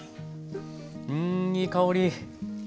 うんいい香り！